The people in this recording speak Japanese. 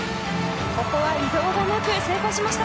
ここは移動がなく成功しました。